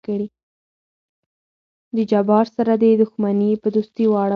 د جبار سره دې دښمني په دوستي واړو.